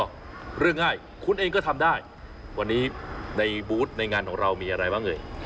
ก็เรื่องง่ายคุณเองก็ทำได้วันนี้ในบูธในงานของเรามีอะไรบ้างเอ่ย